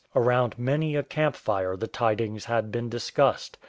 Around many a camp fire the tidings had been discussed.